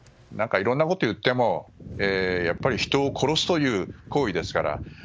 いろいろなことを言っても人を殺すという行為ですから。